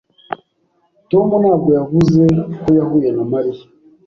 Tom ntabwo yavuze ko yahuye na Mariya.